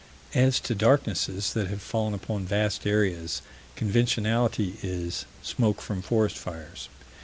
As to darknesses that have fallen upon vast areas, conventionality is smoke from forest fires.